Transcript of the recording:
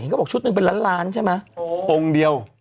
เขาบอกชุดหนึ่งเป็นล้านล้านใช่ไหมองค์เดียว